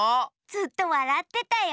ずっとわらってたよ。